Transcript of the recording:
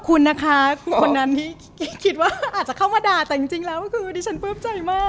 คุณนะคะคนนั้นที่คิดว่าอาจจะเข้ามาด่าแต่จริงแล้วคือดิฉันปลื้มใจมาก